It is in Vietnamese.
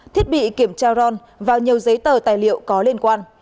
thiết bị kiểm tra ron và nhiều giấy tờ tài liệu có liên quan